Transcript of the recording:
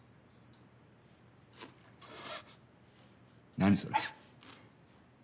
何それ。